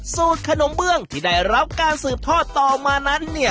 สูตรขนมเบื้องที่ได้รับการสืบทอดต่อมานั้นเนี่ย